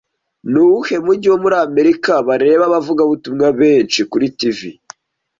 Ni uwuhe mujyi wo muri Amerika bareba abavugabutumwa benshi kuri TV